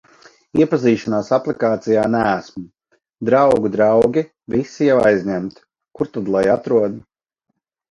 Iepazīšanās aplikācijā neesmu, draugu draugi visi jau aizņemti, kur tad lai atrod?